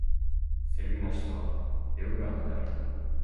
セルビアの首都はベオグラードである